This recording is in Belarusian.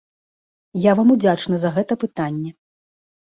Я вам удзячны за гэта пытанне.